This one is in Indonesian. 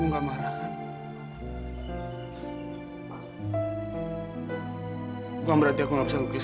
gak berarti aku gak bisa lukis